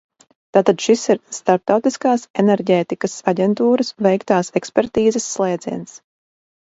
Tātad šis ir Starptautiskās enerģētikas aģentūras veiktās ekspertīzes slēdziens.